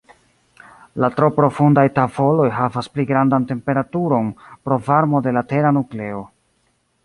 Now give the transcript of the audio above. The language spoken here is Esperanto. La tro profundaj tavoloj havas pli grandan temperaturon pro varmo de la tera nukleo.